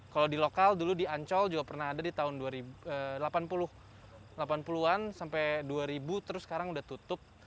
kalau di lokal dulu di ancol juga pernah ada di tahun delapan puluh an sampai dua ribu terus sekarang udah tutup